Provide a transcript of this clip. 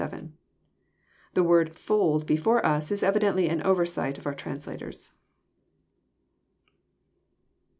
The word "fold," before us, is evidently an oversight of our translators.